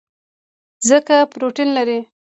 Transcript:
ځکه پروټین لري.